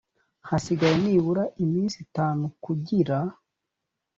hasigaye nibura iminsi itanu kugira